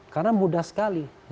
karena mudah sekali